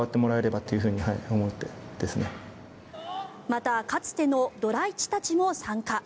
またかつてのドラ１たちも参加。